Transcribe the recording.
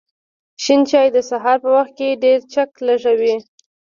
شین چای د سهار په وخت ډېر چک لږوی